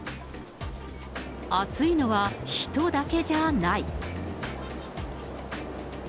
暑いのは人だけじゃない。